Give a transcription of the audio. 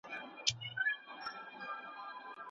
سپورت د بدن انعطاف ساتي.